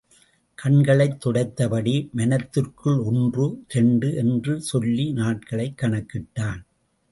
கண்களைத் துடைத்தபடி, மனத்திற்குள் ஒன்று... இரண்டு... என்று சொல்லி நாட்களைக் கணக்கிட்டான்.